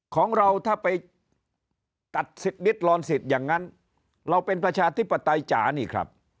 ของเราถ้าไปตัดสิทธิ์มิดรอนสิทธิ์อย่างนั้นเราเป็นประชาธิปไตยจ๋านี่ครับ